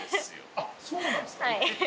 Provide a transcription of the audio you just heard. あっ、そうなんですか。